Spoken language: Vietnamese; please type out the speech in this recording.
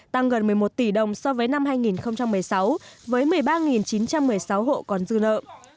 tăng gần một mươi một tỷ đồng so với năm hai nghìn một mươi sáu với một mươi ba chín trăm một mươi sáu hộ còn dư nợ